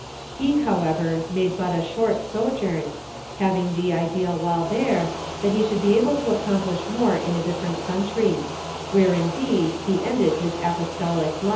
He, however, made but a short sojourn, hay ing the idea while there that he should be able to accomplish more in a different oountryi where indeed he ended his apostolic life.